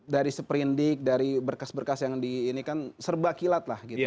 dari seprindik dari berkas berkas yang di ini kan serba kilat lah gitu